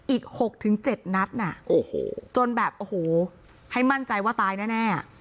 อีกหกถึงเจ็ดนัดน่ะโอ้โหจนแบบโอ้โหให้มั่นใจว่าตายแน่แน่